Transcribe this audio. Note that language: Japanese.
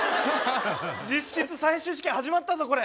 実質最終試験始まったぞこれ！